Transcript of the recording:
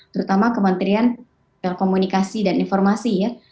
terutama kementerian komunikasi dan informasi ya